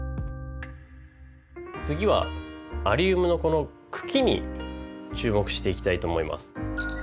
次はアリウムのこの茎に注目していきたいと思います。